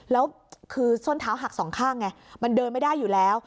แล้วคือส้นเท้าหักสองข้างไงมันเดินไม่ได้อยู่แล้ว